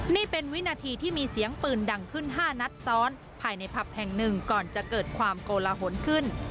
นี่เป็นวินาทีที่มีเสียงปืนดังขึ้น๕นัดซ้อนภายในผับแห่งหนึ่งก่อนจะเกิดความโกลหนขึ้น